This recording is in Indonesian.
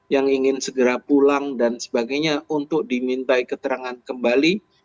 yang ingin segera pulang dan sebagainya untuk dimintai keterangan kembali